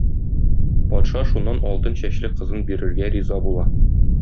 Патша шуннан алтын чәчле кызын бирергә риза була.